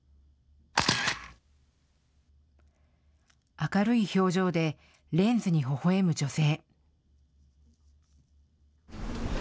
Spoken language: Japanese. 明るい表情でレンズにほほえむ女性。